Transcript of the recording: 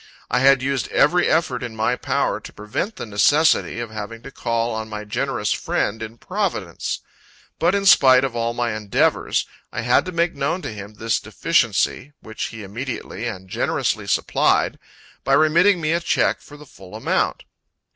I had used every effort in my power to prevent the necessity of having to call on my generous friend in Providence. But in spite of all my endeavors, I had to make known to him this deficiency, which he immediately and generously supplied, by remitting me a check for the full amount.